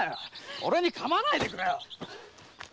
俺にかまわないでくれよ！